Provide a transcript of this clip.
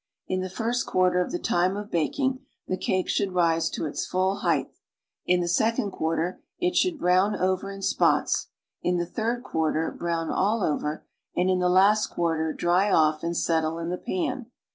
In the first cjuarter of the time of baking the cake should rise to its full height; in the second cjuarter, it should brown over in spots; in the third cjuarter, brown all over, and in the last quarter, dry ofT and settle in the pan.